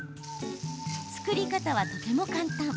作り方はとても簡単。